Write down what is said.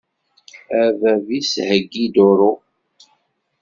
A bab-is heggi duṛu.